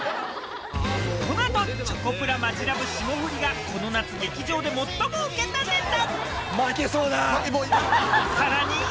このあと、チョコプラ、マヂラブ、霜降りが、この夏劇場で最もウケたネタ。